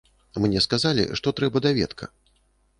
Мне сказалі, што трэба даведка.